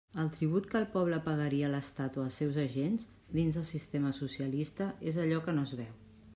El tribut que el poble pagaria a l'estat o als seus agents, dins del sistema socialista, és allò que no es veu.